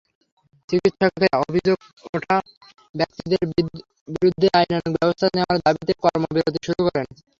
চিকিত্সকেরা অভিযোগ ওঠা ব্যক্তিদের বিরুদ্ধে আইনানুগ ব্যবস্থা নেওয়ার দাবিতে কর্মবিরতি শুরু করেন।